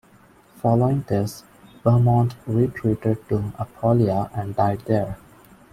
Following this, Bohemond retreated to Apulia and died there.